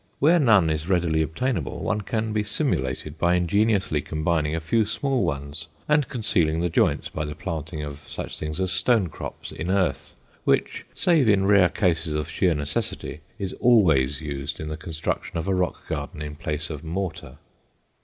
Where none is readily obtainable, one can be simulated by ingeniously combining a few small ones and concealing the joints by the planting of such things as stonecrops in earth which, save in rare cases of sheer necessity, is always used in the construction of a rock garden in place of mortar.